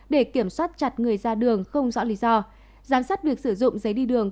để kiểm soát chặt người ra đường không rõ lý do giám sát việc sử dụng giấy đi đường